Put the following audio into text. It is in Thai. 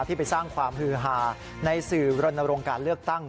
ไปสร้างความฮือฮาในสื่อรณรงค์การเลือกตั้ง